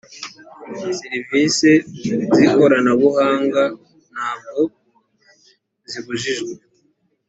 serivisi z’ikoranabuhanga ntabwo zibujijwe